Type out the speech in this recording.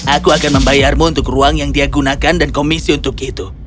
aku akan membayarmu untuk ruang yang dia gunakan dan komisi untuk itu